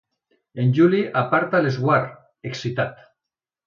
El Juli aparta l'esguard, excitat.